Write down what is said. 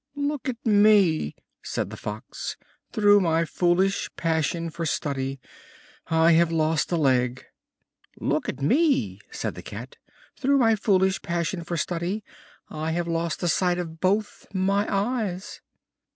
"Look at me!" said the Fox. "Through my foolish passion for study I have lost a leg." "Look at me!" said the Cat. "Through my foolish passion for study I have lost the sight of both my eyes."